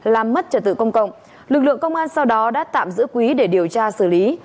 làm mất trật tự công cộng lực lượng công an sau đó đã tạm giữ quý để điều tra xử lý